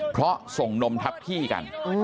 เพราะส่งนมทับที่กัน